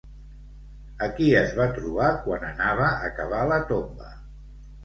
A qui es va trobar quan anava a cavar la tomba?